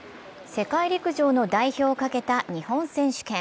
世界陸上の代表を懸けた日本選手権。